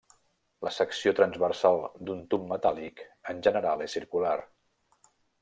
La secció transversal d'un tub metàl·lic en general és circular.